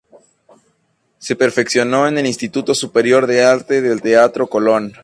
Se perfeccionó en el Instituto Superior de Arte del Teatro Colón.